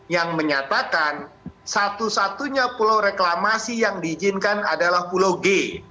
yang menyatakan satu satunya pulau reklamasi yang diizinkan adalah pulau g